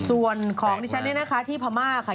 ส่วนของดิฉันเนี่ยนะคะที่พม่าค่ะ